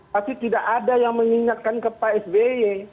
pasti tidak ada yang mengingatkan ke pak sby